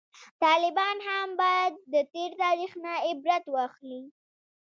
طالبان هم باید د تیر تاریخ نه عبرت واخلي